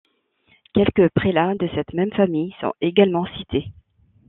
Quelques prélats de cette même famille sont également cités.